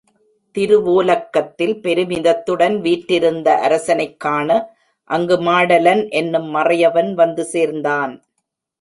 திருவோலக்கத்தில் பெருமிதத்துடன் வீற்றிருந்த அரசனைக் காண அங்கு மாடலன் என்னும் மறையவன் வந்து சேர்ந்தான்.